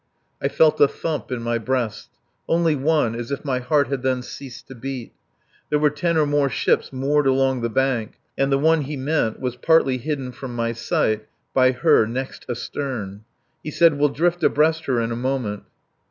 I felt a thump in my breast only one, as if my heart had then ceased to beat. There were ten or more ships moored along the bank, and the one he meant was partly hidden away from my sight by her next astern. He said: "We'll drift abreast her in a moment."